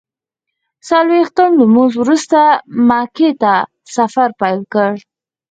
څلویښتم لمونځ وروسته مکې ته سفر پیل کړ.